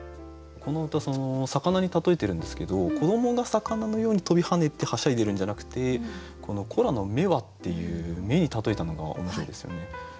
この歌魚に例えているんですけど子どもが魚のように飛び跳ねてはしゃいでるんじゃなくてこの「子らの目は」っていう目に例えたのが面白いですよね。